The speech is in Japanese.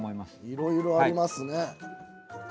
いろいろありますね。